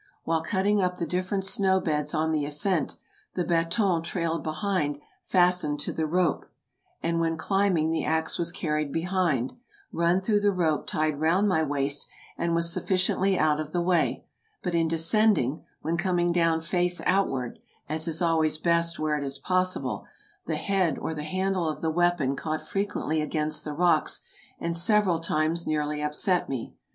While cutting up the different snow beds on the ascent, the baton trailed behind fastened to the rope ; and when climbing the axe was carried behind, run through the rope tied round my waist, and was sufficiently out of the way, but in descending, when coming down face outward (as is always best where it is possible), the head or the handle of the weapon caught frequently against the rocks, and several times nearly upset me.